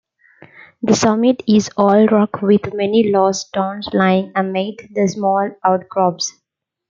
The summit is all rock with many loose stones lying amid the small outcrops.